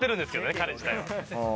彼自体は。